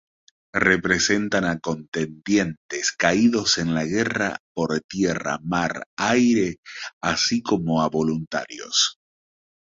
Representan a contendientes caídos en la guerra por tierra, mar, aire, así como voluntarios.